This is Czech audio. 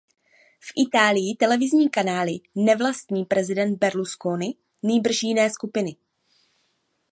V Itálii televizní kanály nevlastní prezident Berlusconi, nýbrž jiné skupiny.